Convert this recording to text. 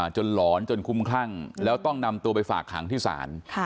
หลอนจนคุ้มคลั่งแล้วต้องนำตัวไปฝากขังที่ศาล